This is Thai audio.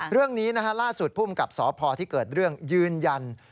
เรื่องนี้ล่าสุดภูมิกับสพที่เกิดเรื่องยืนยัน